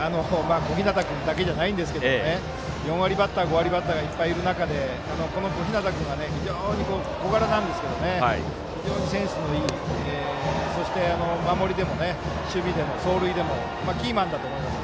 小日向君だけじゃないですが４割バッター、５割バッターがいっぱいいる中で、小日向君は非常に小柄ですが、センスのいいそして守備でも、走塁でもキーマンだと思います。